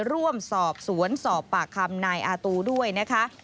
ร่วมสอบสวนสอบปากคำนายอาตูด้วยนะคะ